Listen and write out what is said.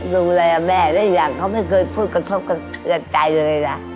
ดูแลแม่ได้อย่างเขาไม่เคยพูดกระทบจากใจเลยนะ